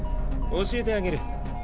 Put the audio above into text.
教えてあげる。